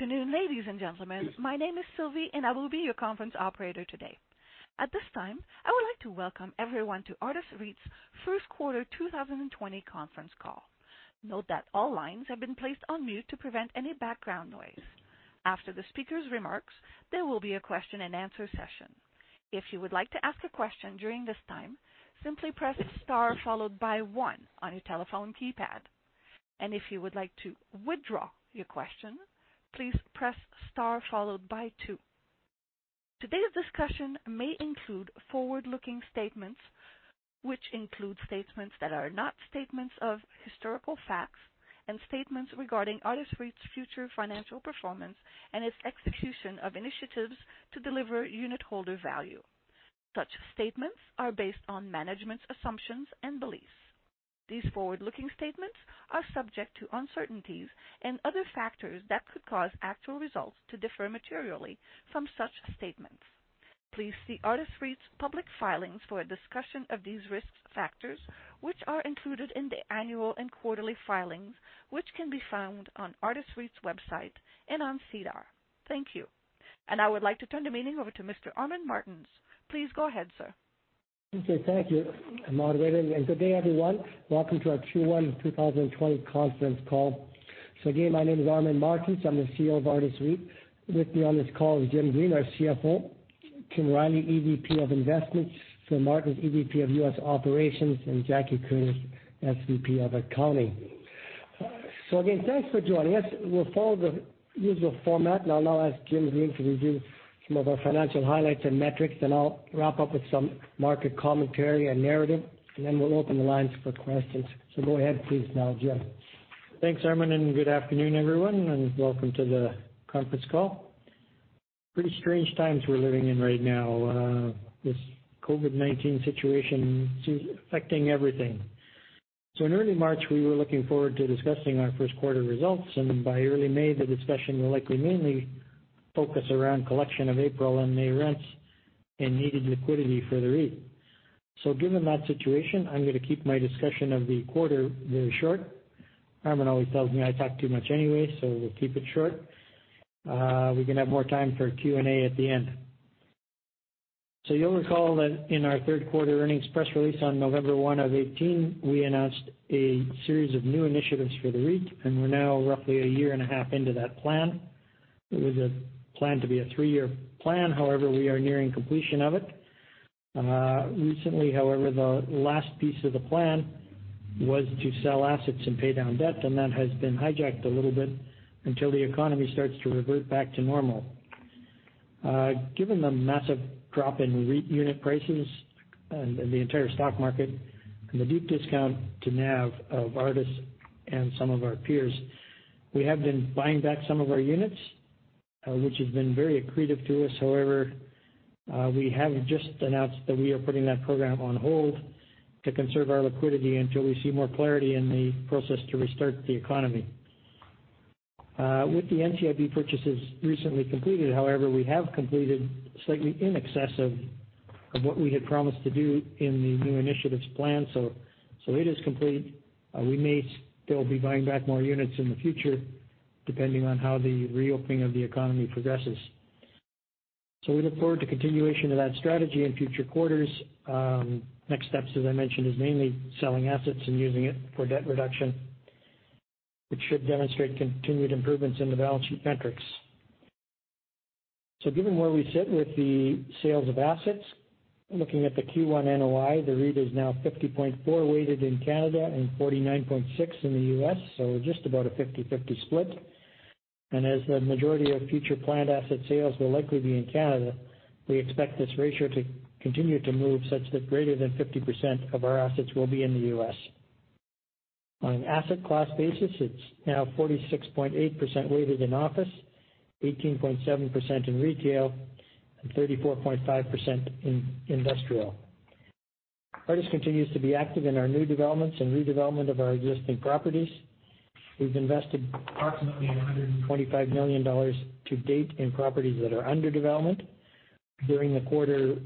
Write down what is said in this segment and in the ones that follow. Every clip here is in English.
Afternoon, ladies and gentlemen. My name is Sylvie, and I will be your conference operator today. At this time, I would like to welcome everyone to Artis REIT's first quarter 2020 conference call. Note that all lines have been placed on mute to prevent any background noise. After the speaker's remarks, there will be a question and answer session. If you would like to ask a question during this time, simply press star followed by one on your telephone keypad. If you would like to withdraw your question, please press star followed by two. Today's discussion may include forward-looking statements, which include statements that are not statements of historical facts and statements regarding Artis REIT's future financial performance and its execution of initiatives to deliver unitholder value. Such statements are based on management's assumptions and beliefs. These forward-looking statements are subject to uncertainties and other factors that could cause actual results to differ materially from such statements. Please see Artis REIT's public filings for a discussion of these risk factors, which are included in the annual and quarterly filings, which can be found on Artis REIT's website and on SEDAR. Thank you. I would like to turn the meeting over to Mr. Armin Martens. Please go ahead, sir. Okay. Thank you, moderator, and good day, everyone. Welcome to our Q1 2020 conference call. My name is Armin Martens. I'm the Chief Executive Officer of Artis REIT. With me on this call is Jim Green, our Chief Financial Officer, Kim Riley, Executive Vice President of Investments, Phil Martens, EVP of U.S. Operations, and Jackie Koenig, Senior Vice President of Accounting. Thanks for joining us. We'll follow the usual format, and I'll now ask Jim Green to review some of our financial highlights and metrics, then I'll wrap up with some market commentary and narrative, and then we'll open the lines for questions. Go ahead please now, Jim Green. Thanks, Armin. Good afternoon, everyone, and welcome to the conference call. Pretty strange times we're living in right now. This COVID-19 situation seems affecting everything. In early March, we were looking forward to discussing our first quarter results, and by early May, the discussion will likely mainly focus around collection of April and May rents and needed liquidity for the REIT. Given that situation, I'm going to keep my discussion of the quarter very short. Armin always tells me I talk too much anyway. We'll keep it short. We can have more time for Q&A at the end. You'll recall that in our third quarter earnings press release on November 1, 2018, we announced a series of new initiatives for the REIT. We're now roughly a year and a half into that plan. It was planned to be a three-year plan, however, we are nearing completion of it. Recently, however, the last piece of the plan was to sell assets and pay down debt, and that has been hijacked a little bit until the economy starts to revert back to normal. Given the massive drop in REIT unit prices and the entire stock market and the deep discount to Net Asset Value of Artis and some of our peers, we have been buying back some of our units, which has been very accretive to us. However, we have just announced that we are putting that program on hold to conserve our liquidity until we see more clarity in the process to restart the economy. With the Normal Course Issuer Bid purchases recently completed, however, we have completed slightly in excess of what we had promised to do in the new initiatives plan. It is complete. We may still be buying back more units in the future depending on how the reopening of the economy progresses. We look forward to continuation of that strategy in future quarters. Next steps, as I mentioned, is mainly selling assets and using it for debt reduction, which should demonstrate continued improvements in the balance sheet metrics. Given where we sit with the sales of assets, looking at the Q1 net operating income, the REIT is now 50.4 weighted in Canada and 49.6 in the U.S., so just about a 50/50 split. As the majority of future planned asset sales will likely be in Canada, we expect this ratio to continue to move such that greater than 50% of our assets will be in the U.S. On an asset class basis, it's now 46.8% weighted in office, 18.7% in retail, and 34.5% in industrial. Artis continues to be active in our new developments and redevelopment of our existing properties. We've invested approximately 125 million dollars to date in properties that are under development. During the quarter,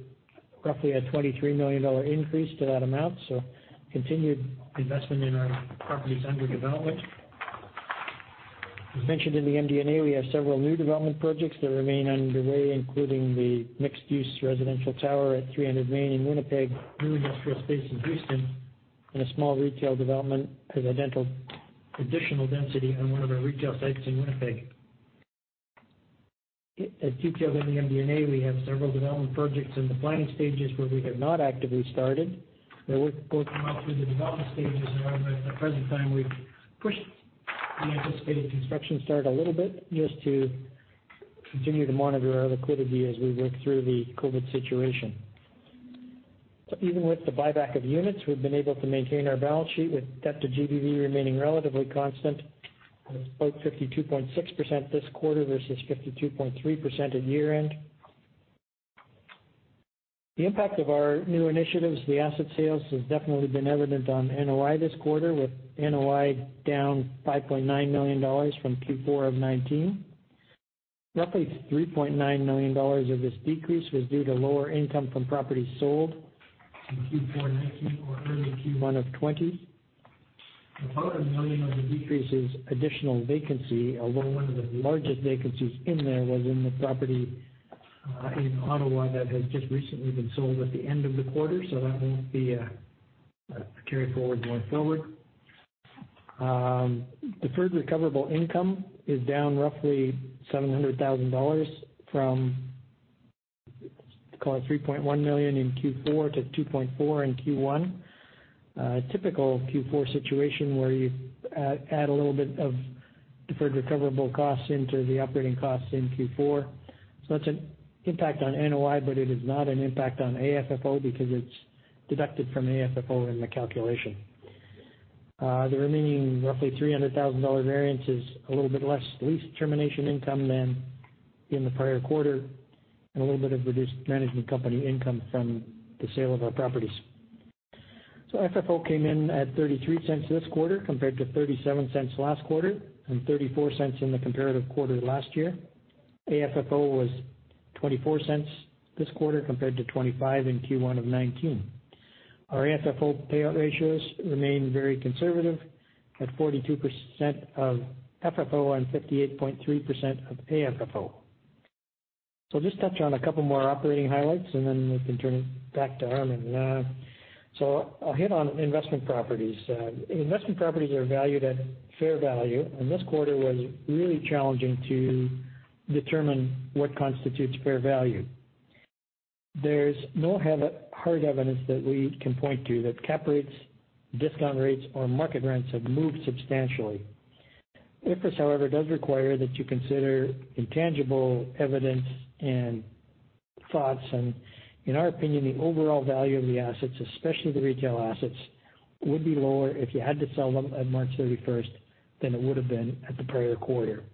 roughly a 23 million dollar increase to that amount. Continued investment in our properties under development. As mentioned in the MD&A, we have several new development projects that remain underway, including the mixed-use residential tower at 300 Main in Winnipeg, new industrial space in Houston, and a small retail development as additional density on one of our retail sites in Winnipeg. As detailed in the MD&A, we have several development projects in the planning stages where we have not actively started. They're working their way up through the development stages, however, at the present time, we've pushed the anticipated construction start a little bit just to continue to monitor our liquidity as we work through the COVID-19 situation. Even with the buyback of units, we've been able to maintain our balance sheet with debt to gross development value remaining relatively constant at 52.6% this quarter versus 52.3% at year-end. The impact of our new initiatives, the asset sales, has definitely been evident on NOI this quarter, with NOI down 5.9 million dollars from Q4 of 2019. Roughly 3.9 million dollars of this decrease was due to lower income from properties sold in Q4 2019 or early Q1 of 2020. About 1 million of the decrease is additional vacancy, although one of the largest vacancies in there was in the property in Ottawa that has just recently been sold at the end of the quarter. That won't be carried forward going forward. Deferred recoverable income is down roughly 700,000 dollars from, call it, 3.1 million in Q4 to 2.4 million in Q1. A typical Q4 situation where you add a little bit of deferred recoverable costs into the operating costs in Q4. That's an impact on NOI, but it is not an impact on adjusted funds from operations because it's deducted from AFFO in the calculation. The remaining roughly 300,000 dollar variance is a little bit less lease termination income than in the prior quarter, and a little bit of reduced management company income from the sale of our properties. FFO came in at 0.33 this quarter compared to 0.37 last quarter and 0.34 in the comparative quarter last year. AFFO was 0.24 this quarter compared to 0.25 in Q1 of 2019. Our FFO payout ratios remain very conservative at 42% of FFO and 58.3% of AFFO. I'll just touch on a couple more operating highlights, and then we can turn it back to Armin. I'll hit on investment properties. Investment properties are valued at fair value, and this quarter was really challenging to determine what constitutes fair value. There's no hard evidence that we can point to that cap rates, discount rates, or market rents have moved substantially. IFRS, however, does require that you consider intangible evidence and thoughts, and in our opinion, the overall value of the assets, especially the retail assets, would be lower if you had to sell them at March 31st than it would have been at the prior quarter.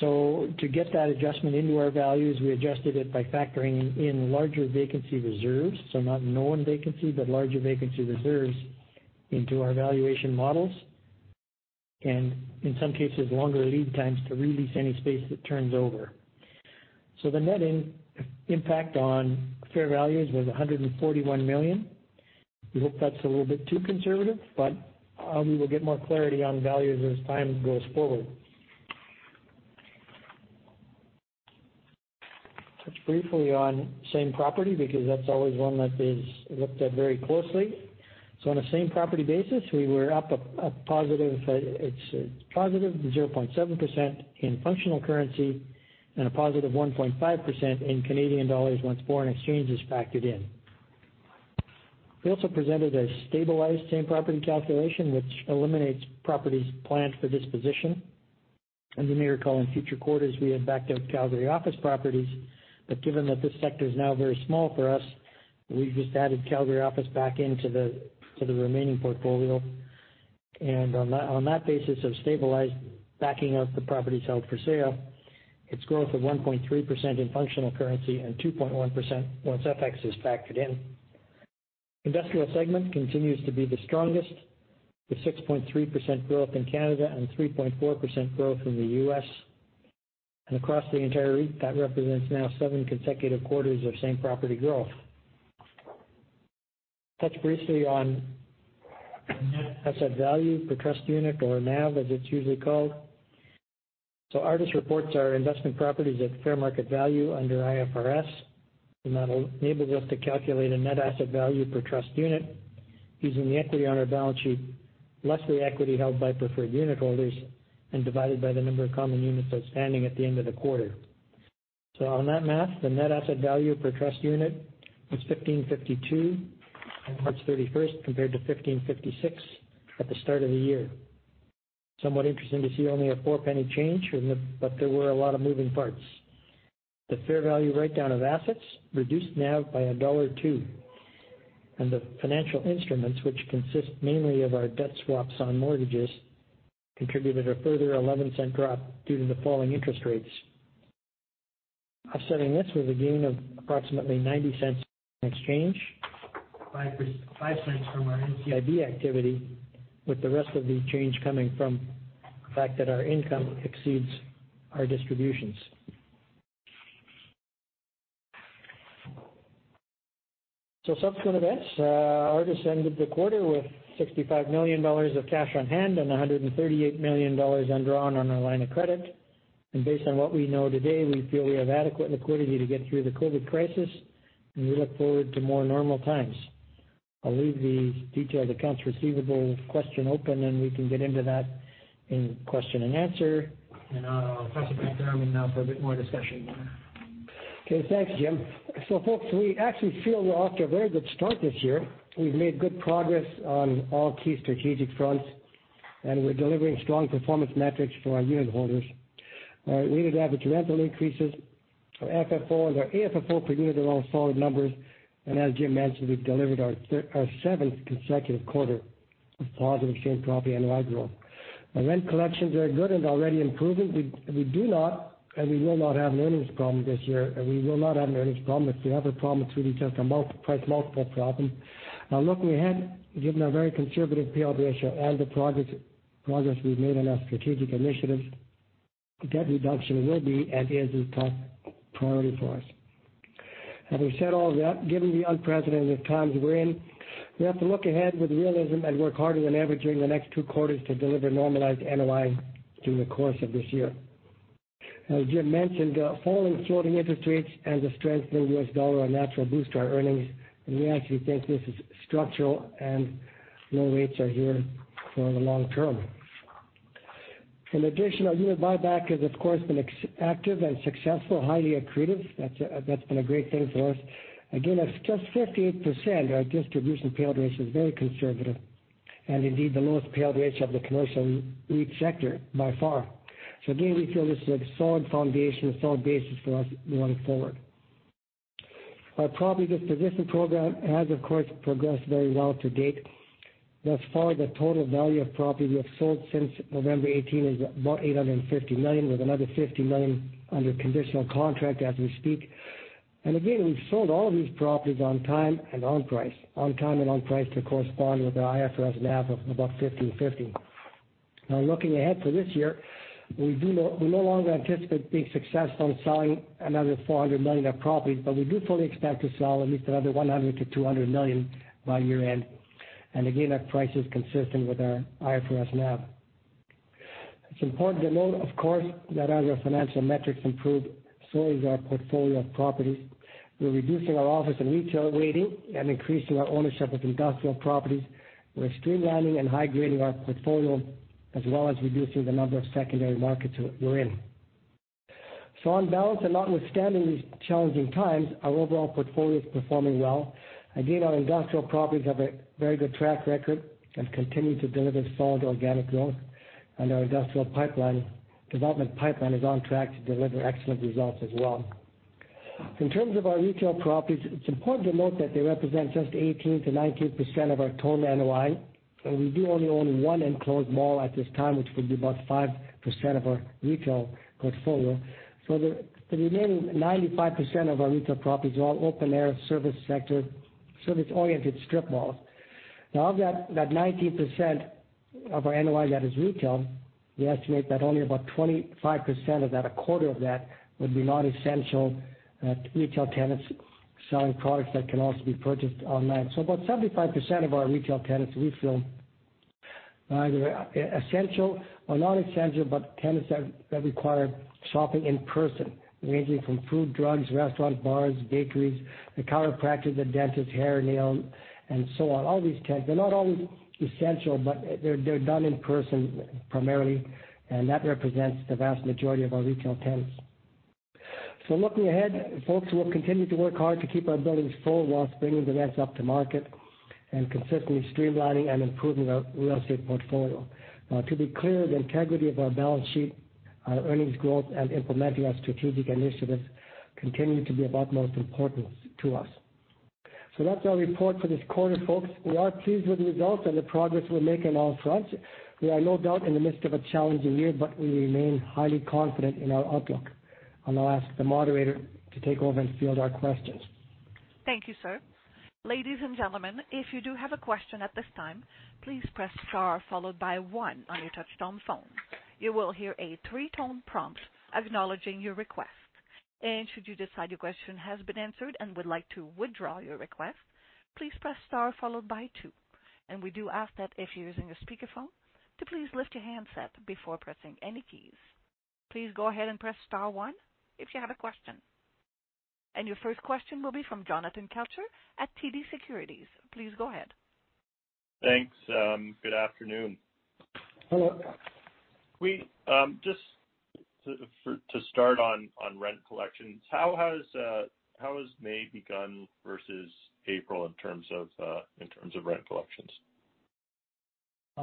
To get that adjustment into our values, we adjusted it by factoring in larger vacancy reserves. Not knowing vacancy, but larger vacancy reserves into our valuation models. In some cases, longer lead times to re-lease any space that turns over. The net impact on fair values was 141 million. We hope that's a little bit too conservative, but we will get more clarity on values as time goes forward. Touch briefly on same property, because that's always one that is looked at very closely. On a same-property basis, we were up a positive 0.7% in functional currency and a positive 1.5% in Canadian dollars once foreign exchange is factored in. We also presented a stabilized same-property calculation, which eliminates properties planned for disposition. You may recall in future quarters, we had backed out Calgary office properties, but given that this sector is now very small for us, we've just added Calgary office back into the remaining portfolio. On that basis of stabilized backing out the properties held for sale, its growth of 1.3% in functional currency and 2.1% once FX is factored in. Industrial segment continues to be the strongest, with 6.3% growth in Canada and 3.4% growth in the U.S. Across the entire REIT, that represents now seven consecutive quarters of same property growth. Touch briefly on net asset value per trust unit or NAV, as it's usually called. Artis reports our investment properties at fair market value under IFRS. That enables us to calculate a net asset value per trust unit using the equity on our balance sheet, less the equity held by preferred unit holders, and divided by the number of common units outstanding at the end of the quarter. On that math, the net asset value per trust unit was 15.52 on March 31st compared to 15.56 at the start of the year. Somewhat interesting to see only a 0.04 change, but there were a lot of moving parts. The fair value write-down of assets reduced NAV by dollar 1.02. The financial instruments, which consist mainly of our debt swaps on mortgages, contributed a further 0.11 drop due to the falling interest rates. Offsetting this was a gain of approximately 0.90 in exchange, 0.05 from our NCIB activity, with the rest of the change coming from the fact that our income exceeds our distributions. Subsequent events. Artis ended the quarter with 65 million dollars of cash on hand and 138 million dollars undrawn on our line of credit. Based on what we know today, we feel we have adequate liquidity to get through the COVID crisis, and we look forward to more normal times. I'll leave the detailed accounts receivable question open, and we can get into that in question and answer. I'll pass it back to Armin now for a bit more discussion. Okay. Thanks, Jim. Folks, we actually feel we're off to a very good start this year. We've made good progress on all key strategic fronts, and we're delivering strong performance metrics for our unit holders. Our weighted average rental increases, our FFO, and our AFFO per unit are all solid numbers. As Jim mentioned, we've delivered our seventh consecutive quarter of positive same property NOI growth. Our rent collections are good and already improving. We do not, and we will not have an earnings problem this year. We will not have an earnings problem. If we have a problem, it's really just a price multiple problem. Looking ahead, given our very conservative payout ratio and the progress we've made on our strategic initiatives, debt reduction will be and is a top priority for us. We said all that, given the unprecedented times we're in, we have to look ahead with realism and work harder than ever during the next two quarters to deliver normalized NOI through the course of this year. Jim mentioned, falling short-term interest rates and the strengthening U.S. dollar, a natural boost to our earnings, and we actually think this is structural and low rates are here for the long term. In addition, our unit buyback has, of course, been active and successful, highly accretive. That's been a great thing for us. Again, at just 58%, our distribution payout ratio is very conservative, and indeed the lowest payout ratio of the commercial REIT sector by far. Again, we feel this is a solid foundation, solid basis for us going forward. Our property disposition program has, of course, progressed very well to date. Thus far, the total value of property we have sold since November 2018 is about 850 million, with another 50 million under conditional contract as we speak. Again, we've sold all these properties on time and on price. On time and on price to correspond with our IFRS NAV of about 15.50. Looking ahead for this year, we no longer anticipate being successful in selling another 400 million of properties, but we do fully expect to sell at least another 100 million-200 million by year-end. Again, at prices consistent with our IFRS NAV. It's important to note, of course, that as our financial metrics improve, so is our portfolio of properties. We're reducing our office and retail weighting and increasing our ownership of industrial properties. We're streamlining and high-grading our portfolio, as well as reducing the number of secondary markets we're in. On balance, and notwithstanding these challenging times, our overall portfolio is performing well. Again, our industrial properties have a very good track record and continue to deliver solid organic growth. Our industrial development pipeline is on track to deliver excellent results as well. In terms of our retail properties, it's important to note that they represent just 18%-19% of our total NOI. We do only own one enclosed mall at this time, which would be about 5% of our retail portfolio. The remaining 95% of our retail properties are all open-air service sector, service-oriented strip malls. Of that 19% of our NOI that is retail, we estimate that only about 25% of that, a quarter of that, would be non-essential retail tenants selling products that can also be purchased online. About 75% of our retail tenants, we feel, either are essential or non-essential, but tenants that require shopping in person, ranging from food, drugs, restaurants, bars, bakeries, the chiropractors, the dentists, hair, nail, and so on. All these tenants. They're not always essential, but they're done in person primarily, and that represents the vast majority of our retail tenants. Looking ahead, folks, we'll continue to work hard to keep our buildings full whilst bringing the rents up to market and consistently streamlining and improving our real estate portfolio. To be clear, the integrity of our balance sheet, our earnings growth, and implementing our strategic initiatives continue to be of utmost importance to us. That's our report for this quarter, folks. We are pleased with the results and the progress we're making on all fronts. We are no doubt in the midst of a challenging year, but we remain highly confident in our outlook. I'll ask the moderator to take over and field our questions. Thank you, sir. Ladies and gentlemen, if you do have a question at this time, please press star followed by one on your touch-tone phone. You will hear a three-tone prompt acknowledging your request. Should you decide your question has been answered and would like to withdraw your request, please press star followed by two. We do ask that if you're using a speakerphone, to please lift your handset before pressing any keys. Please go ahead and press star one if you have a question. Your first question will be from Jonathan Kelcher at TD Securities. Please go ahead. Thanks. Good afternoon. Hello. Just to start on rent collections, how has May begun versus April in terms of rent collections?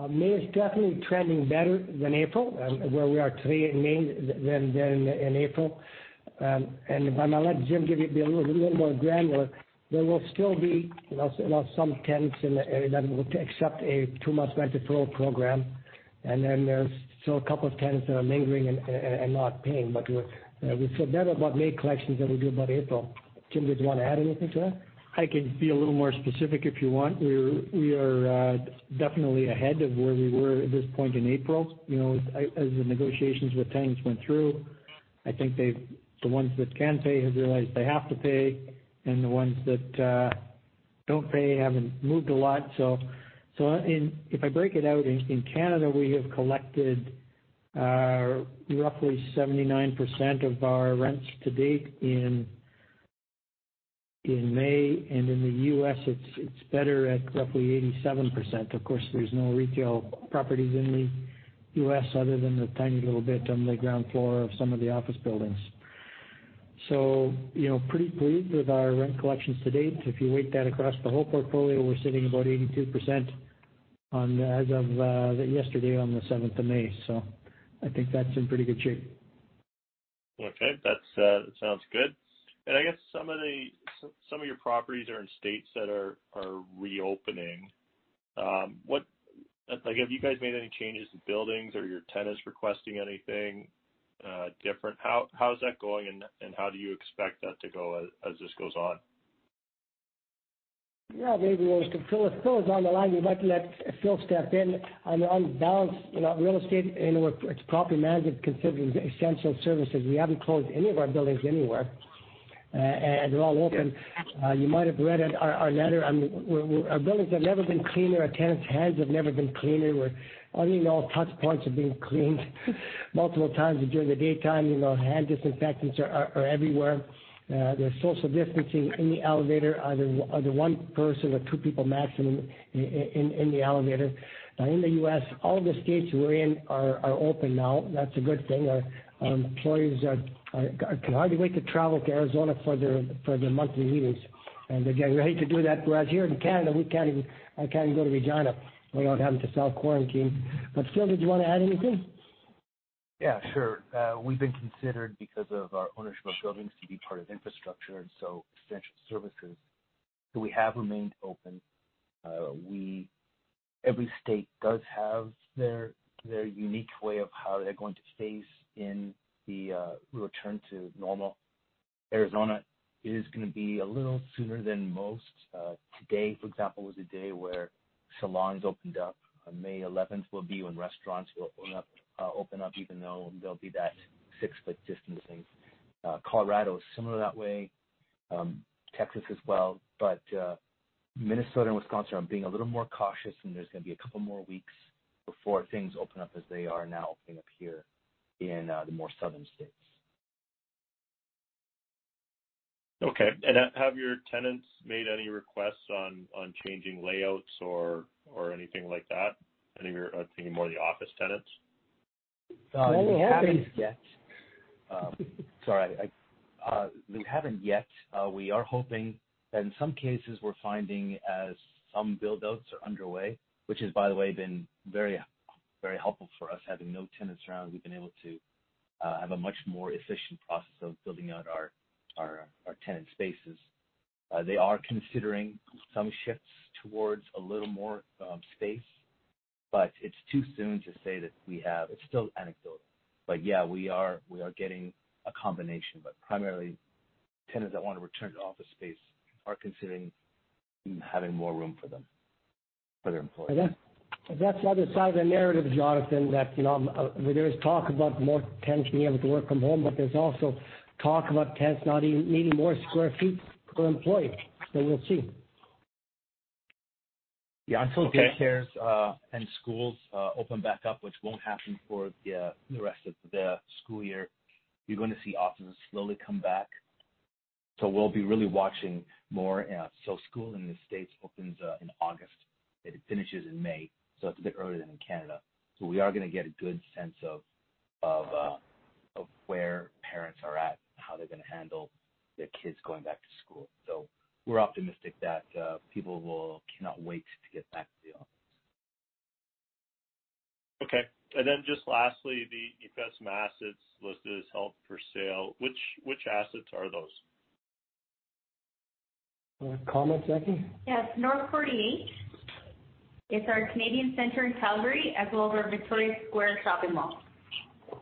May is definitely trending better than April, where we are today in May than in April. I'm going to let Jim be a little more granular. There will still be some tenants that will accept a two-month rent deferral program. There's still a couple of tenants that are lingering and not paying. We feel better about May collections than we do about April. Jim, did you want to add anything to that? I can be a little more specific if you want. We are definitely ahead of where we were at this point in April. As the negotiations with tenants went through, I think the ones that can pay have realized they have to pay, and the ones that don't pay haven't moved a lot. If I break it out, in Canada, we have collected roughly 79% of our rents to date in May, and in the U.S., it's better at roughly 87%. Of course, there's no retail properties in the U.S. other than the tiny little bit on the ground floor of some of the office buildings. Pretty pleased with our rent collections to date. If you weight that across the whole portfolio, we're sitting about 82% as of yesterday, on the 7th of May. I think that's in pretty good shape. Okay. That sounds good. I guess some of your properties are in states that are reopening. Have you guys made any changes to buildings? Are your tenants requesting anything different? How's that going, and how do you expect that to go as this goes on? Yeah, Jonathan. Well, Phil is on the line. We'd like to let Phil step in on balance. Real estate and its property management considered essential services. We haven't closed any of our buildings anywhere. They're all open. You might have read our letter. Our buildings have never been cleaner. Our tenants' hands have never been cleaner. All touch points are being cleaned multiple times during the daytime. Hand disinfectants are everywhere. There's social distancing in the elevator, either one person or two people maximum in the elevator. Now in the U.S., all the states we're in are open now. That's a good thing. Our employees can hardly wait to travel to Arizona for their monthly meetings. Again, we hate to do that, whereas here in Canada, I can't even go to Regina without having to self-quarantine. Phil, did you want to add anything? Sure. We've been considered, because of our ownership of buildings, to be part of infrastructure and so essential services. We have remained open. Every state does have their unique way of how they're going to phase in the return to normal. Arizona is going to be a little sooner than most. Today, for example, was a day where salons opened up. On May 11th will be when restaurants will open up, even though there'll be that 6 ft distancing. Colorado is similar that way. Texas as well. Minnesota and Wisconsin are being a little more cautious, and there's going to be a couple more weeks before things open up as they are now opening up here in the more southern states. Okay. Have your tenants made any requests on changing layouts or anything like that? Any more of the office tenants? No, they haven't. They haven't yet. Sorry. They haven't yet. We are hoping that in some cases, we're finding as some build-outs are underway, which has, by the way, been very helpful for us. Having no tenants around, we've been able to have a much more efficient process of building out our tenant spaces. They are considering some shifts towards a little more space, but it's too soon to say that it's still anecdotal. Yeah, we are getting a combination, but primarily tenants that want to return to office space are considering having more room for them, for their employees. That's the other side of the narrative, Jonathan, that there is talk about more tenants being able to work from home, but there's also talk about tenants now needing more square feet per employee. We'll see. Yeah. Okay. Until day cares and schools open back up, which won't happen for the rest of the school year, you're going to see offices slowly come back. We'll be really watching more. School in the States opens in August, and it finishes in May, so it's a bit earlier than in Canada. We are going to get a good sense of where parents are at and how they're going to handle their kids going back to school. We're optimistic that people cannot wait to get back to the office. Okay. Just lastly, the investment assets listed as held for sale. Which assets are those? Want to comment, Jackie? Yes. [North 48]. It's our Canadian Centre in Calgary, as well as our Victoria Square Shopping Centre.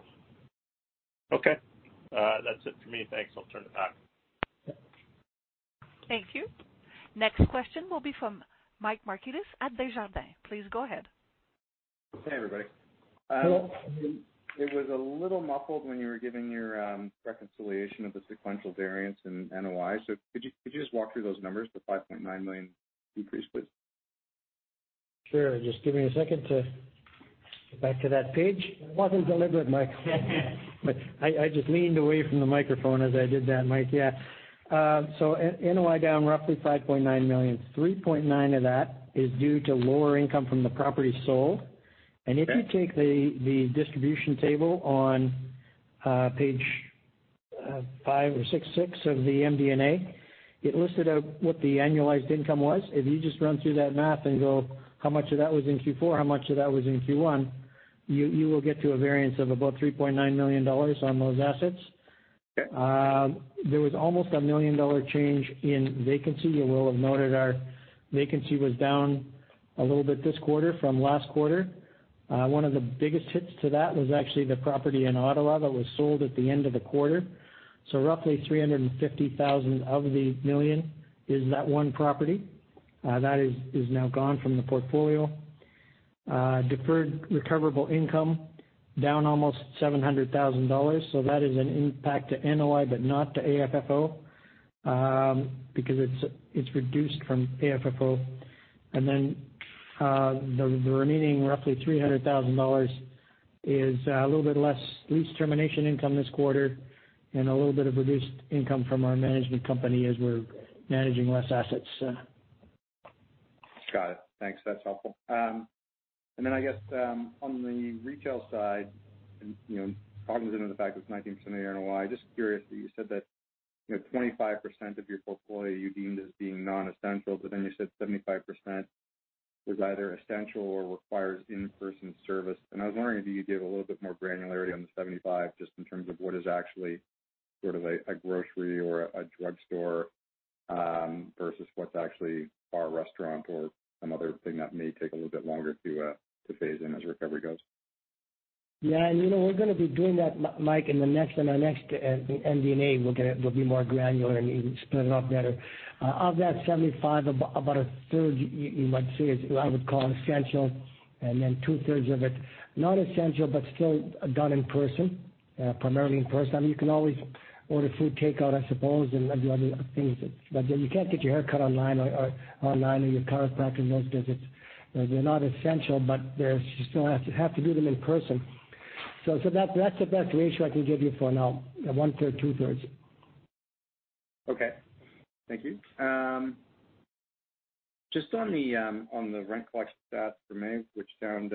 Okay. That's it for me. Thanks. I'll turn it back. Thank you. Next question will be from Mike Markidis at Desjardins. Please go ahead. Hey, everybody. Hello. It was a little muffled when you were giving your reconciliation of the sequential variance in NOI. Could you just walk through those numbers, the 5.9 million decrease, please? Sure. Just give me a second to get back to that page. It wasn't deliberate, Mike. I just leaned away from the microphone as I did that, Mike. Yeah. NOI down roughly 5.9 million, 3.9 of that is due to lower income from the property sold. Okay. If you take the distribution table on page five or six of the MD&A, it listed out what the annualized income was. If you just run through that math and go how much of that was in Q4, how much of that was in Q1, you will get to a variance of about 3.9 million dollars on those assets. Okay. There was almost a million-dollar change in vacancy. You will have noted our vacancy was down a little bit this quarter from last quarter. One of the biggest hits to that was actually the property in Ottawa that was sold at the end of the quarter. Roughly 350,000 of the 1 million is that one property. That is now gone from the portfolio. Deferred recoverable income down almost 700,000 dollars. That is an impact to NOI but not to AFFO because it's reduced from AFFO. The remaining roughly 300,000 dollars is a little bit less lease termination income this quarter and a little bit of reduced income from our management company as we're managing less assets. Got it. Thanks. That's helpful. I guess on the retail side, talking within the fact it was 19% of the NOI, just curious that you said that 25% of your portfolio you deemed as being non-essential, but then you said 75% was either essential or requires in-person service. I was wondering if you could give a little bit more granularity on the 75%, just in terms of what is actually a grocery or a drugstore versus what's actually bar, restaurant or some other thing that may take a little bit longer to phase in as recovery goes. We're going to be doing that, Mike, in our next MD&A, we'll be more granular and even split it up better. Of that 75%, about 1/3 you might see is what I would call an essential, 2/3 of it not essential, but still done in person, primarily in person. You can always order food takeout, I suppose, and maybe other things, you can't get your hair cut online or your chiropractor and those visits. They're not essential, you still have to do them in person. That's the best ratio I can give you for now, 1/3, 2/3. Okay. Thank you. Just on the rent collection stats for May, which sound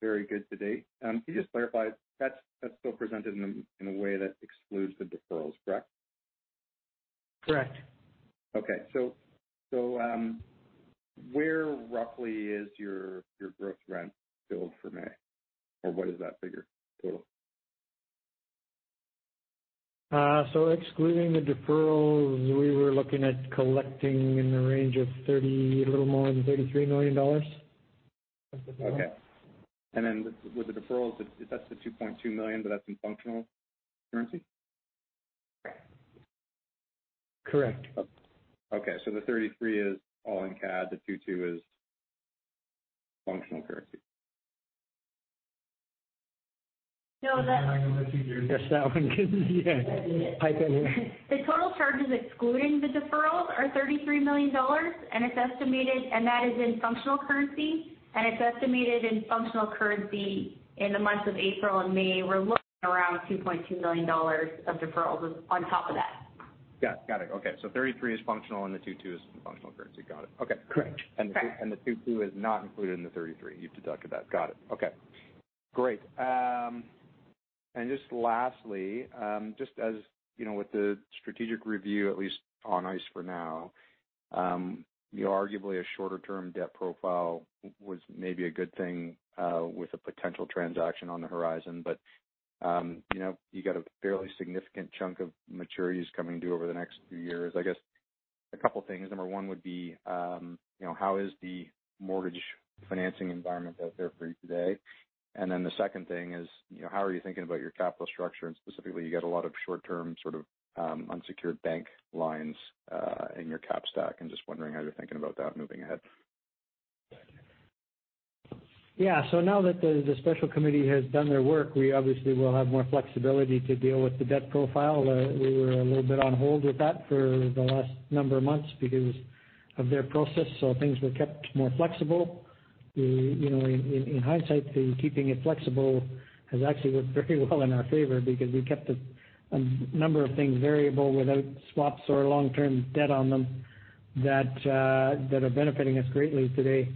very good to date. Can you just clarify, that is still presented in a way that excludes the deferrals, correct? Correct. Okay. Where roughly is your gross rent billed for May? What is that figure total? Excluding the deferrals, we were looking at collecting in the range of a little more than 33 million dollars. Okay. With the deferrals, that's the 2.2 million, but that's in functional currency? Correct. Okay. The 33 is all in CAD, the 2.2 is functional currency. So that. Yes. Pipe in here. The total charges excluding the deferrals are 33 million dollars, and that is in functional currency, and it's estimated in functional currency in the months of April and May, we're looking around 2.2 million dollars of deferrals on top of that. Yeah, got it. Okay. 33 million is functional and the 2.2 million is functional currency. Got it. Okay. Correct. The 2.2 million is not included in the 33 million. You've deducted that. Got it. Okay. Great. Just lastly, just as with the strategic review at least on ice for now. Arguably a shorter term debt profile was maybe a good thing with a potential transaction on the horizon. You got a fairly significant chunk of maturities coming due over the next few years. I guess a couple things. Number one would be, how is the mortgage financing environment out there for you today? Then the second thing is how are you thinking about your capital structure? Specifically, you've got a lot of short-term sort of unsecured bank lines in your cap stack, and just wondering how you're thinking about that moving ahead. Yeah. Now that the special committee has done their work, we obviously will have more flexibility to deal with the debt profile. We were a little bit on hold with that for the last number of months because of their process, so things were kept more flexible. In hindsight, the keeping it flexible has actually worked very well in our favor because we kept a number of things variable without swaps or long-term debt on them that are benefiting us greatly today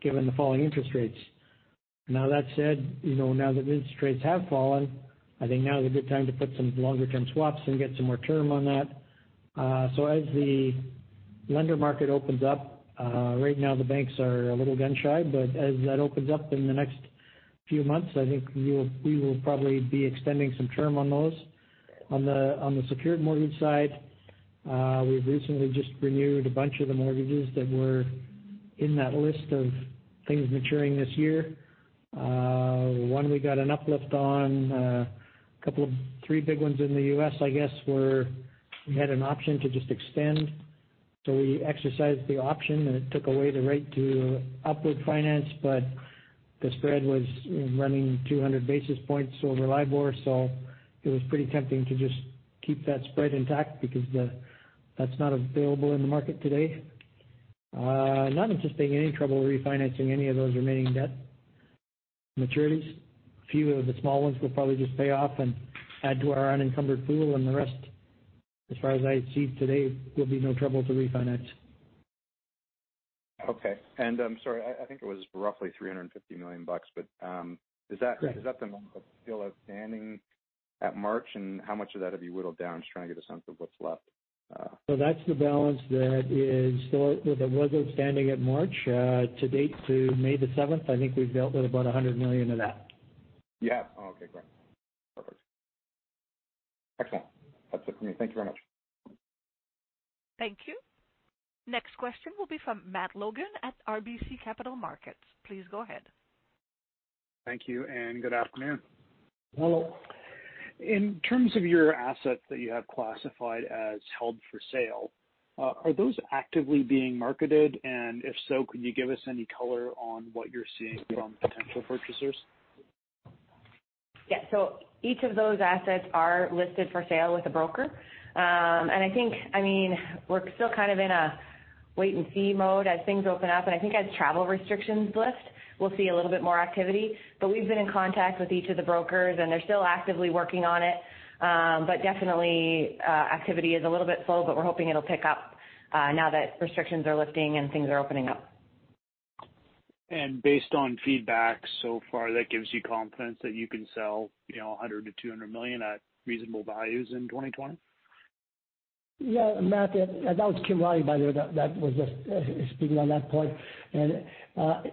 given the falling interest rates. Now that said, now that interest rates have fallen, I think now is a good time to put some longer-term swaps and get some more term on that. As the lender market opens up, right now the banks are a little gun shy, but as that opens up in the next few months, I think we will probably be extending some term on those. On the secured mortgage side, we've recently just renewed a bunch of the mortgages that were in that list of things maturing this year. One we got an uplift on. Three big ones in the U.S., I guess, where we had an option to just extend. We exercised the option, and it took away the right to upward finance, but the spread was running 200 basis points over LIBOR. It was pretty tempting to just keep that spread intact because that's not available in the market today. Not anticipating any trouble refinancing any of those remaining debt maturities. Few of the small ones we'll probably just pay off and add to our unencumbered pool, and the rest, as far as I see today, will be no trouble to refinance. Okay. I'm sorry, I think it was roughly 350 million bucks. Correct. Is that the amount that's still outstanding at March, and how much of that have you whittled down? Just trying to get a sense of what's left. That's the balance that was outstanding at March. To date, to May 7th, I think we've dealt with about 100 million of that. You have? Okay, great. Perfect. Excellent. That's it for me. Thank you very much. Thank you. Next question will be from Matt Logan at RBC Capital Markets. Please go ahead. Thank you, and good afternoon. Hello. In terms of your assets that you have classified as held for sale, are those actively being marketed? If so, could you give us any color on what you're seeing from potential purchasers? Yeah. Each of those assets are listed for sale with a broker. I think we're still kind of in a wait-and-see mode as things open up, and I think as travel restrictions lift, we'll see a little bit more activity. We've been in contact with each of the brokers and they're still actively working on it. Definitely activity is a little bit slow, but we're hoping it'll pick up now that restrictions are lifting and things are opening up. Based on feedback so far, that gives you confidence that you can sell 100 million-200 million at reasonable values in 2020? Yeah, Matt. That was Kim Riley, by the way. That was just speaking on that point.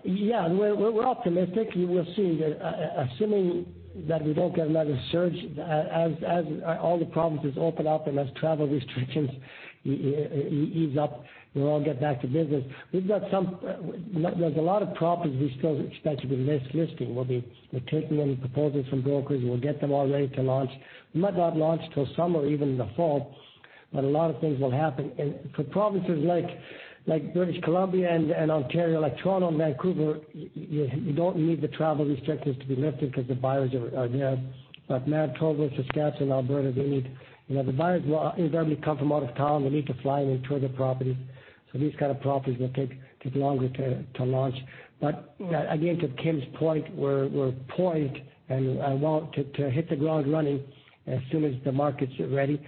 Yeah, we're optimistic. We'll see. Assuming that we don't get another surge as all the provinces open up and as travel restrictions ease up, we'll all get back to business. There's a lot of properties we still expect to be listing. We'll be taking any proposals from brokers, we'll get them all ready to launch. Might not launch till summer or even the fall. A lot of things will happen. For provinces like British Columbia and Ontario, like Toronto and Vancouver, you don't need the travel restrictions to be lifted because the buyers are there. Manitoba, Saskatchewan, Alberta, the buyers will invariably come from out of town. They need to fly in and tour the property. These kind of properties will take longer to launch. Again, to Kim's point, we're poised and want to hit the ground running as soon as the markets are ready.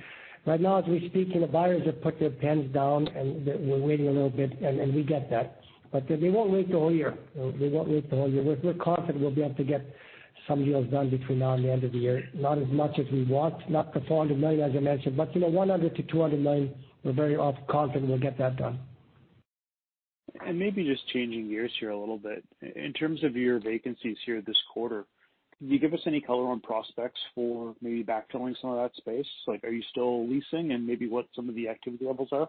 Right now, as we speak, the buyers have put their pens down, and they're waiting a little bit, and we get that. They won't wait the whole year. We're confident we'll be able to get some deals done between now and the end of the year. Not as much as we want, not the 400 million, as I mentioned, but 100 million-200 million, we're very confident we'll get that done. Maybe just changing gears here a little bit. In terms of your vacancies here this quarter, can you give us any color on prospects for maybe backfilling some of that space? Are you still leasing, and maybe what some of the activity levels are?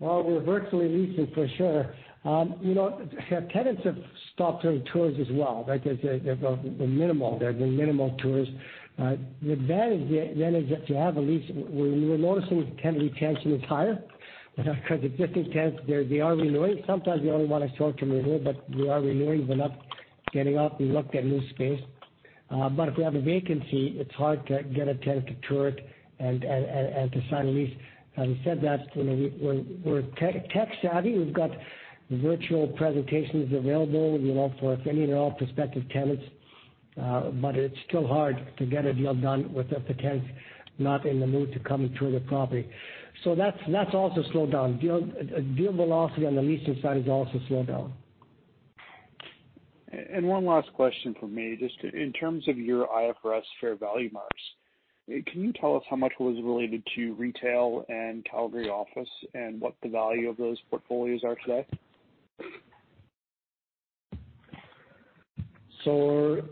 Well, we're virtually leasing for sure. Tenants have stopped doing tours as well. Like I say, they're minimal. They're doing minimal tours. The advantage is that you have a lease. We're noticing tenant retention is higher because existing tenants, they are renewing. Sometimes they only want to talk to renew, they are renewing. They're not getting up and looking at new space. If we have a vacancy, it's hard to get a tenant to tour it and to sign a lease. Having said that, we're tech savvy. We've got virtual presentations available for any and all prospective tenants. It's still hard to get a deal done with the tenant not in the mood to come and tour the property. That's also slowed down. Deal velocity on the leasing side has also slowed down. One last question from me. Just in terms of your IFRS fair value marks, can you tell us how much was related to retail and Calgary office, and what the value of those portfolios are today?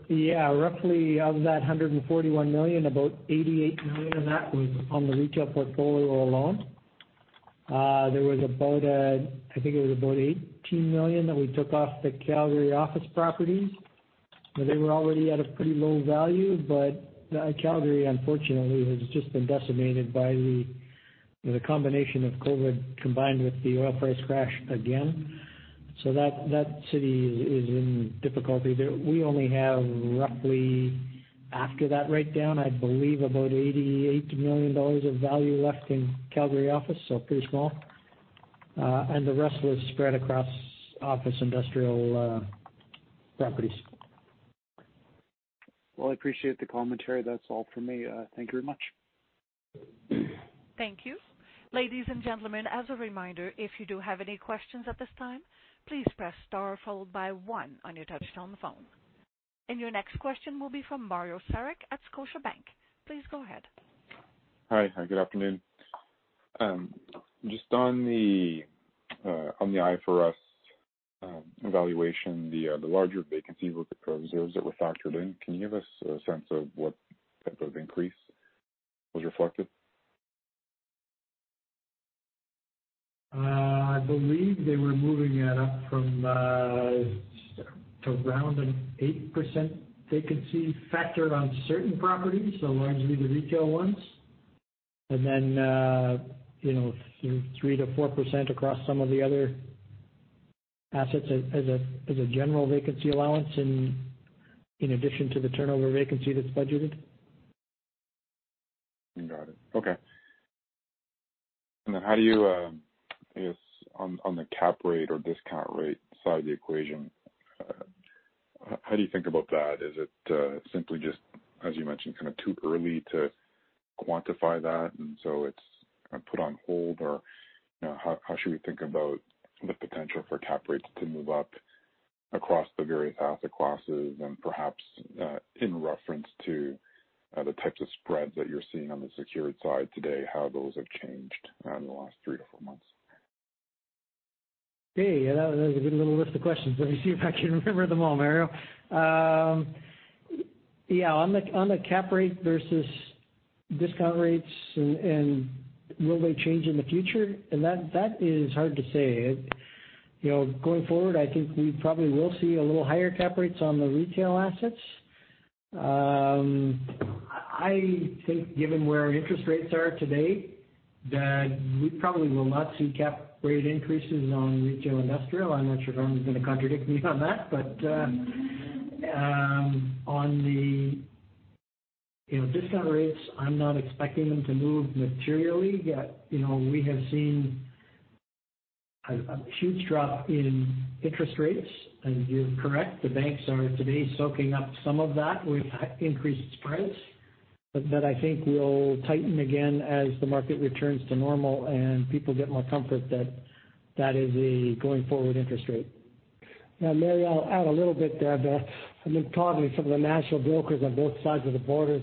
Yeah. Roughly of that 141 million, about 88 million of that was on the retail portfolio alone. There was about, I think it was about 18 million that we took off the Calgary office properties. They were already at a pretty low value. Calgary, unfortunately, has just been decimated by the combination of COVID combined with the oil price crash again. That city is in difficulty. We only have roughly, after that write down, I believe about 88 million dollars of value left in Calgary office, so pretty small. The rest was spread across office industrial properties. Well, I appreciate the commentary. That's all for me. Thank you very much. Thank you. Ladies and gentlemen, as a reminder, if you do have any questions at this time, please press star followed by one on your touchtone phone. Your next question will be from Mario Saric at Scotiabank. Please go ahead. Hi. Good afternoon. Just on the IFRS evaluation, the larger vacancies with the reserves that were factored in, can you give us a sense of what type of increase was reflected? I believe they were moving that up to around an 8% vacancy factor on certain properties, so largely the retail ones. Then 3%-4% across some of the other assets as a general vacancy allowance in addition to the turnover vacancy that's budgeted. Got it. Okay. How do you, I guess, on the cap rate or discount rate side of the equation, how do you think about that? Is it simply just, as you mentioned, kind of too early to quantify that and so it's put on hold? How should we think about the potential for cap rates to move up across the various asset classes and perhaps in reference to the types of spreads that you're seeing on the secured side today, how those have changed in the last three to four months? That was a good little list of questions. Let me see if I can remember them all, Mario. On the cap rate versus discount rates, will they change in the future? That is hard to say. Going forward, I think we probably will see a little higher cap rates on the retail assets. I think given where interest rates are today, that we probably will not see cap rate increases on retail, industrial. I'm not sure Vernon's going to contradict me on that. On the discount rates, I'm not expecting them to move materially, yet we have seen a huge drop in interest rates, and you're correct, the banks are today soaking up some of that with increased spreads. That I think will tighten again as the market returns to normal and people get more comfort that that is a going forward interest rate. Mario, I'll add a little bit there. I've been talking to some of the national brokers on both sides of the border.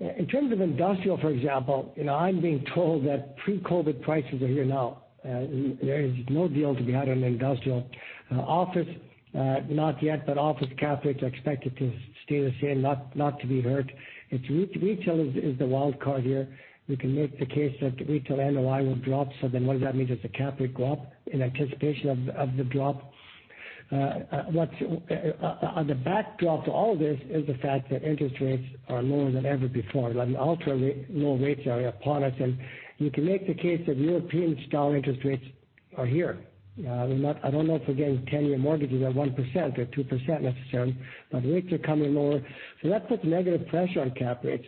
In terms of industrial, for example, I'm being told that pre-COVID prices are here now. There is no deal to be had on industrial. office, not yet, office cap rates are expected to stay the same, not to be hurt. It's retail is the wild card here. We can make the case that retail NOI will drop, what does that mean? Does the cap rate go up in anticipation of the drop? On the backdrop to all this is the fact that interest rates are lower than ever before. Ultra low rates are upon us, and you can make the case that European style interest rates are here. I don't know if we're getting 10-year mortgages at 1% or 2% necessarily, but rates are coming lower. That puts negative pressure on cap rates.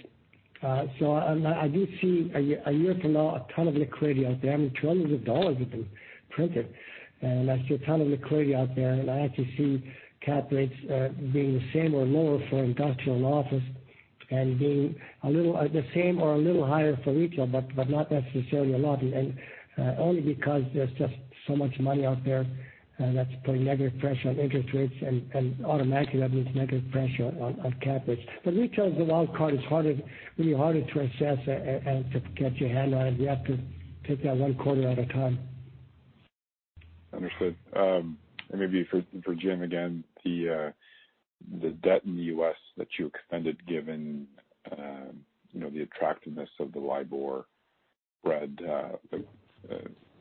I do see a year from now a ton of liquidity out there. I mean, trillions of dollars have been printed, and I see a ton of liquidity out there. I actually see cap rates being the same or lower for industrial and office and being the same or a little higher for retail, but not necessarily a lot. Only because there's just so much money out there that's putting negative pressure on interest rates, and automatically that means negative pressure on cap rates. Retail is the wild card. It's really harder to assess and to get your hand on it. You have to take that one quarter at a time. Understood. Maybe for Jim again, the debt in the U.S. that you extended given the attractiveness of the LIBOR spread.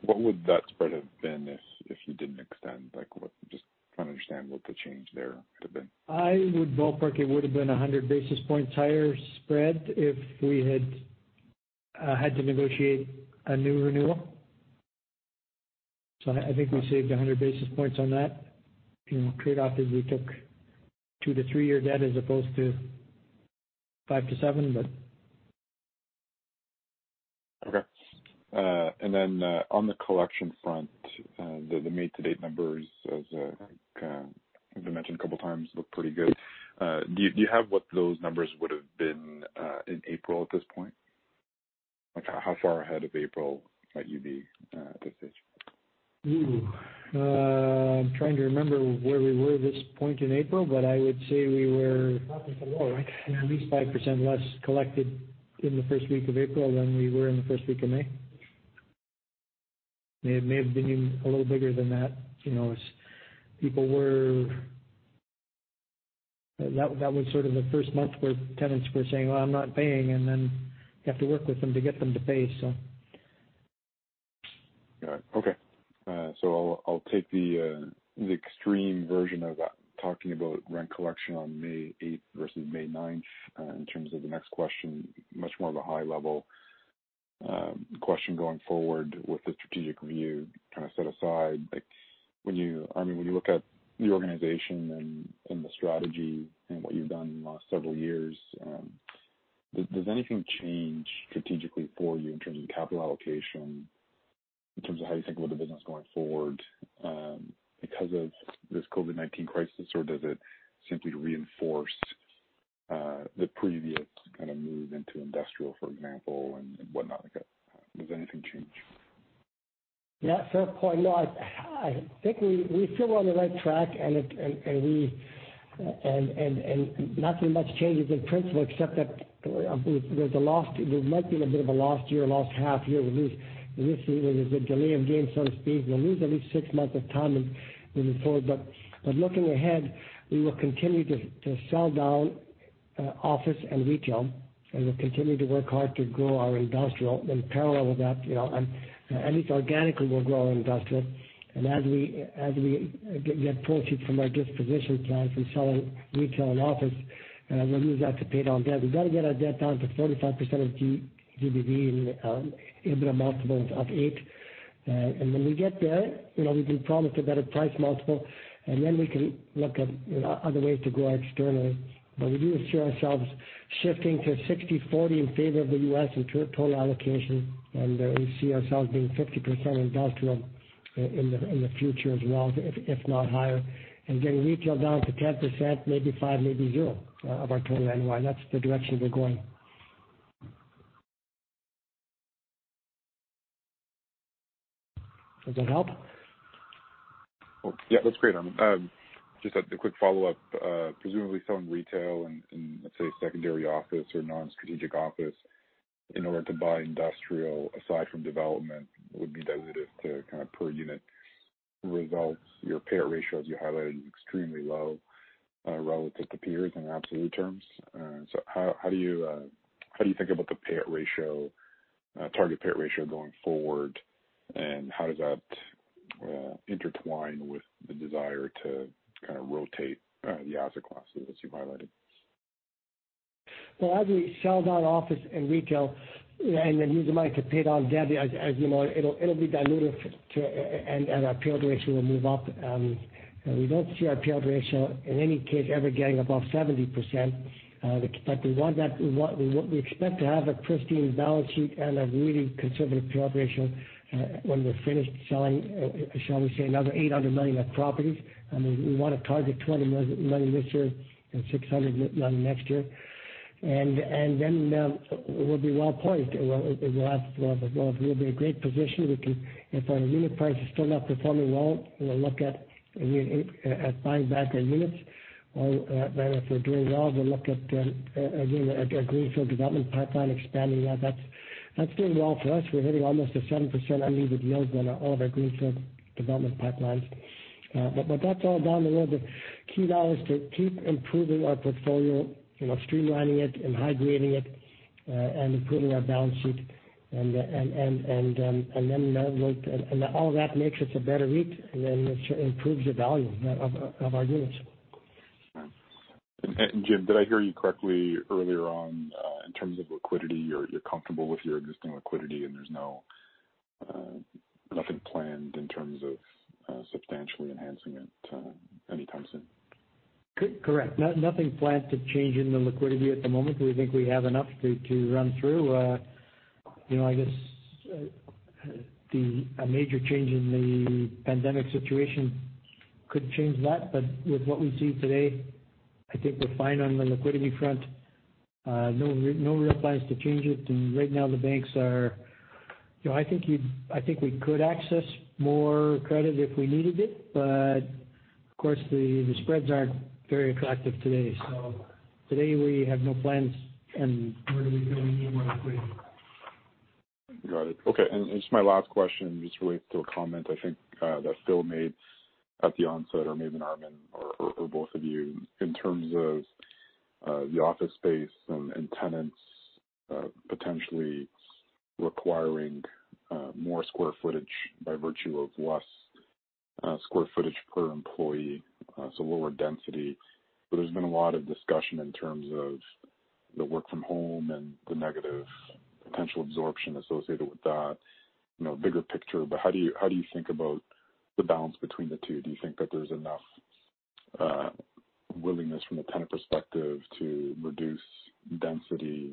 What would that spread have been if you didn't extend? Just trying to understand what the change there could've been. I would ballpark it would've been 100 basis points higher spread if we had to negotiate a new renewal. I think we saved 100 basis points on that. Trade-off is we took two to three year debt as opposed to 5% to 7%. Okay. On the collection front, the month-to-date numbers, as you mentioned a couple of times, look pretty good. Do you have what those numbers would've been, in April at this point? How far ahead of April might you be at this stage? I'm trying to remember where we were at this point in April. Five is the low, right? At least 5% less collected in the first week of April than we were in the first week of May. It may have been even a little bigger than that, as That was sort of the first month where tenants were saying, "Well, I'm not paying," and then you have to work with them to get them to pay. Got it. Okay. I'll take the extreme version of talking about rent collection on May 8th versus May 9th in terms of the next question, much more of a high-level question going forward with the strategic review set aside. When you look at the organization and the strategy and what you've done in the last several years, does anything change strategically for you in terms of capital allocation, in terms of how you think about the business going forward because of this COVID-19 crisis, or does it simply reinforce the previous kind of move into industrial, for example, and whatnot? Does anything change? Yeah. Fair point. No, I think we still are on the right track, and nothing much changes in principle except that there might be a bit of a lost year, a lost half year. We lose. There was a delay of game, so to speak. We'll lose at least six months of time moving forward. Looking ahead, we will continue to sell down office and retail, and we'll continue to work hard to grow our industrial in parallel with that. At least organically, we'll grow our industrial. As we get proceeds from our disposition plans and selling retail and office, we'll use that to pay down debt. We've got to get our debt down to 45% of GBV and EBITDA multiple of eight. When we get there, we can promise a better price multiple, and then we can look at other ways to grow externally. We do see ourselves shifting to 60/40 in favor of the U.S. in total allocation, and we see ourselves being 50% industrial in the future as well, if not higher. Getting retail down to 10%, maybe five, maybe zero of our total NOI. That's the direction we're going. Does that help? Yeah, that's great. Just a quick follow-up. Presumably selling retail and let's say secondary office or non-strategic office in order to buy industrial aside from development would be dilutive to kind of per unit results. Your payout ratio, as you highlighted, is extremely low relative to peers in absolute terms. How do you think about the target payout ratio going forward, and how does that intertwine with the desire to kind of rotate the asset classes, as you highlighted? Well, as we sell down office and retail and then use the money to pay down debt, as you know, it'll be dilutive, and our payout ratio will move up. We don't see our payout ratio, in any case, ever getting above 70%. We expect to have a pristine balance sheet and a really conservative payout ratio when we're finished selling, shall we say, another 800 million of properties. We want to target 200 million this year and 600 million next year. We'll be well-poised. We'll be in a great position. If our unit price is still not performing well, we'll look at buying back our units. If they're doing well, we'll look at our greenfield development pipeline expanding that. That's doing well for us. We're hitting almost a 7% unlevered yield on all of our greenfield development pipelines. That's all down the road. The key now is to keep improving our portfolio, streamlining it and high-grading it, and improving our balance sheet. All of that makes us a better REIT, and then it improves the value of our units. Jim, did I hear you correctly earlier on in terms of liquidity, you're comfortable with your existing liquidity and there's nothing planned in terms of substantially enhancing it anytime soon? Correct. Nothing planned to change in the liquidity at the moment. We think we have enough to run through. I guess a major change in the pandemic situation could change that. With what we see today, I think we're fine on the liquidity front. No real plans to change it. Right now the banks are I think we could access more credit if we needed it, but of course, the spreads aren't very attractive today. Today we have no plans and nor do we feel we need more liquidity. Got it. Okay. It's my last question, just related to a comment I think that Phil made at the onset or maybe Armin or both of you. In terms of the office space and tenants potentially requiring more square footage by virtue of less square footage per employee, so lower density. There's been a lot of discussion in terms of the work from home and the negative potential absorption associated with that, bigger picture. How do you think about the balance between the two? Do you think that there's enough willingness from the tenant perspective to reduce density,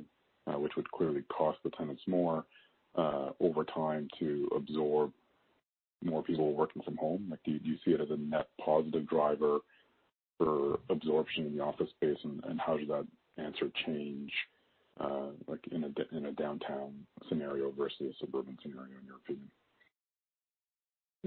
which would clearly cost the tenants more over time to absorb more people working from home? Do you see it as a net positive driver for absorption in the office space? How does that answer change in a downtown scenario versus a suburban scenario, in your opinion? Yeah,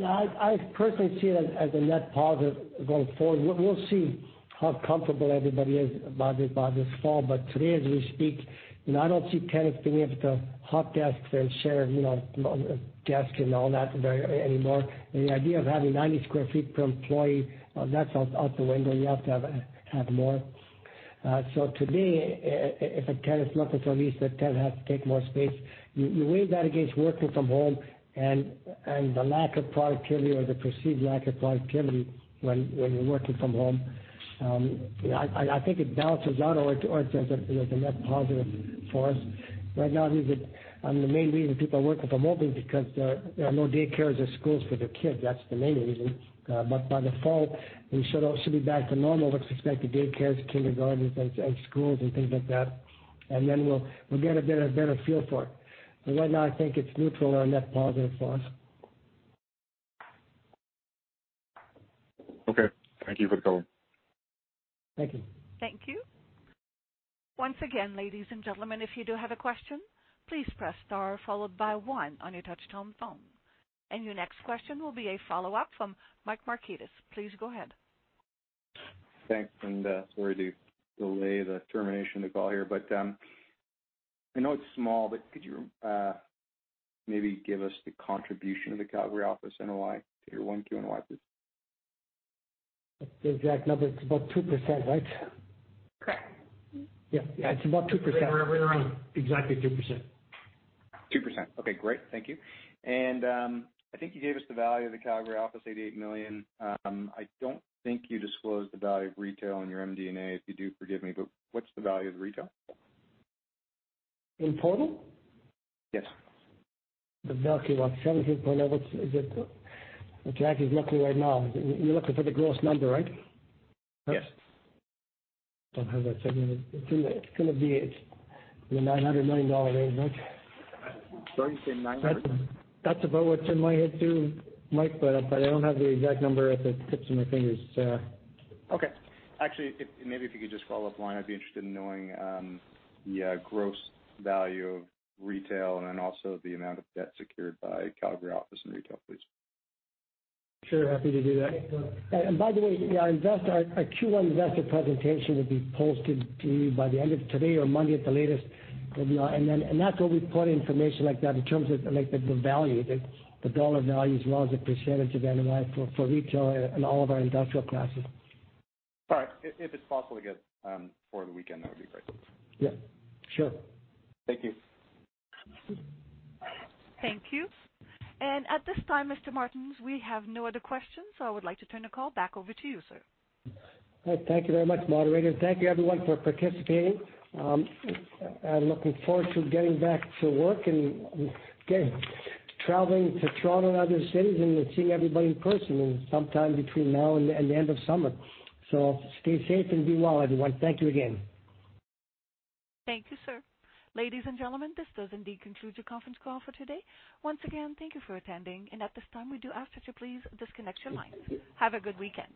I personally see it as a net positive going forward. We'll see how comfortable everybody is about it by this fall. Today as we speak, I don't see tenants being able to hot desk and share desks and all that anymore. The idea of having 90 sq ft per employee, that's out the window. You have to have more. To me, if a tenant is looking for lease, the tenant has to take more space. You weigh that against working from home and the lack of productivity or the perceived lack of productivity when you're working from home. I think it balances out or it's a net positive for us. Right now, the main reason people are working from home is because there are no daycares or schools for their kids. That's the main reason. By the fall, we should be back to normal with respect to daycares, kindergartens, and schools, and things like that. Then we'll get a better feel for it. Right now, I think it's neutral or a net positive for us. Okay. Thank you for the color. Thank you. Thank you. Once again, ladies and gentlemen, if you do have a question, please press star followed by one on your touchtone phone. Your next question will be a follow-up from Mike Markidis. Please go ahead. Thanks. Sorry to delay the termination of the call here. I know it's small, but could you maybe give us the contribution of the Calgary office NOI to your Q1 NOI, please? The exact number. It's about 2%, right? Correct. It's about 2%. Right around exactly 2%. 2%. Okay, great. Thank you. I think you gave us the value of the Calgary office, 88 million. I don't think you disclosed the value of retail in your MD&A. If you do, forgive me, but what's the value of the retail? In total? Yes. About CAD 73 million is what Jackie is looking right now. You're looking for the gross number, right? Yes. Don't have that second. It's going to be in the CAD 900 million range, right? I thought you said CAD 900 million. That's about what's in my head, too, Mike, but I don't have the exact number at the tips of my fingers. Okay. Actually, maybe if you could just follow up, Lauren, I'd be interested in knowing the gross value of retail and then also the amount of debt secured by Calgary office and retail, please. Sure, happy to do that. By the way, our Q1 investor presentation will be posted to you by the end of today or Monday at the latest. That's where we put information like that in terms of the value, the CAD value as well as the percentage of NOI for retail and all of our industrial classes. All right. If it's possible to get it before the weekend, that would be great. Yeah, sure. Thank you. Thank you. At this time, Mr. Martens, we have no other questions. I would like to turn the call back over to you, sir. All right. Thank you very much, moderator. Thank you everyone for participating. I'm looking forward to getting back to work and again, traveling to Toronto and other cities and seeing everybody in person sometime between now and the end of summer. Stay safe and be well, everyone. Thank you again. Thank you, sir. Ladies and gentlemen, this does indeed conclude your conference call for today. Once again, thank you for attending. At this time, we do ask that you please disconnect your lines. Have a good weekend.